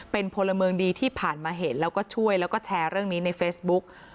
เป็นพลเมืองดีที่ผ่านมาเห็นแล้วก็ช่วยแล้วก็แชร์เรื่องนี้ในเฟซบุ๊ก